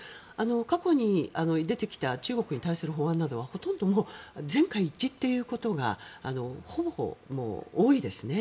過去に出てきた中国に対する法案などはほとんど全会一致ということがほぼ、多いですね。